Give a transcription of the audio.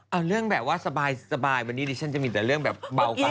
เอาเรื่องแบบว่าสบายวันนี้ดิฉันจะมีแต่เรื่องแบบเบากัน